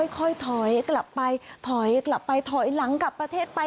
ค่อยถอยกลับไปถอยกลับไปถอยหลังกลับประเทศไป